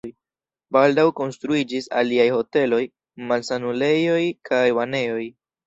Baldaŭ konstruiĝis aliaj hoteloj, malsanulejoj kaj banejoj.